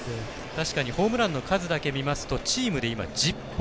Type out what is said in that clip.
確かにホームランの数だけ見ますとチームで今、１０本。